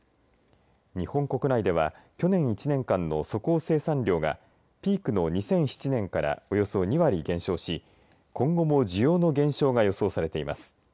日本国内では去年１年間の粗鋼生産量がピークの２００７年からおよそ２割減少し今後も需要の減少が予想されています。